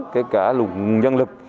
kể cả nguồn dân lực